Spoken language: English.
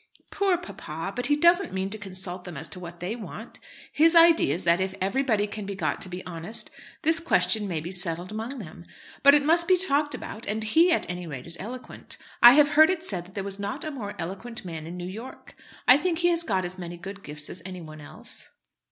"Poor papa! But he doesn't mean to consult them as to what they want. His idea is that if everybody can be got to be honest this question may be settled among them. But it must be talked about, and he, at any rate, is eloquent. I have heard it said that there was not a more eloquent man in New York. I think he has got as many good gifts as anyone else."